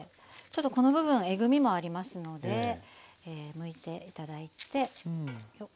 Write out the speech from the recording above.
ちょっとこの部分えぐみもありますのでむいて頂いて。